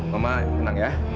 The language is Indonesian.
mama tenang ya